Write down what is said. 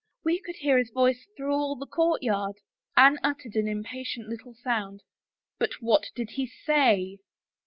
Wc could hear his voice through all the courtyard." Anne uttered an impatient little sound. " But what did he say